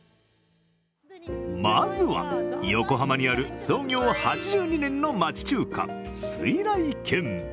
まずは、横浜にある創業８２年の街中華・酔来軒。